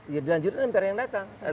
ya dilanjutkan mpr yang datang